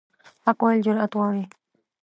حق ویل جرأت غواړي.